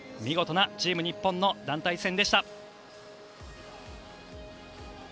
見事なチームニューエンの団体戦でした。